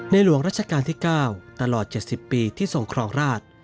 หลวงรัชกาลที่๙ตลอด๗๐ปีที่ทรงครองราช